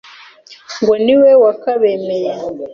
Ngo ni we wakabemeye